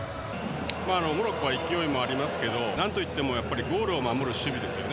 モロッコは勢いもありますけど何と言ってもやっぱりゴールを守る守備ですよね。